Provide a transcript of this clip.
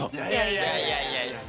いやいやいやいや。